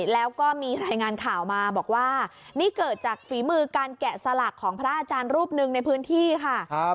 แล้วก็มีรายงานข่าวมาบอกว่านี่เกิดจากฝีมือการแกะสลักของพระอาจารย์รูปหนึ่งในพื้นที่ค่ะ